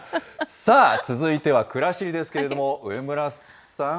さあ、続いてはくらしりですけれども、上村さん。